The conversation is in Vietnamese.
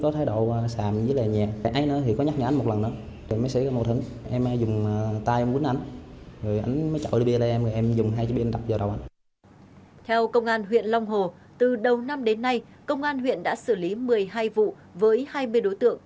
theo công an huyện long hồ từ đầu năm đến nay công an huyện đã xử lý một mươi hai vụ với hai mươi đối tượng